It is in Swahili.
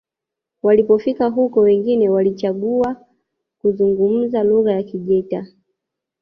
walipofika huko wengine walichagua kuzungumza lugha ya kijita